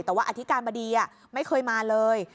แต่ว่าอธิการบดีไม่เคยมาเลย